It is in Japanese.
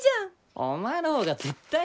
お前の方が絶対変らて。